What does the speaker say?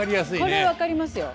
これ分かりますよ。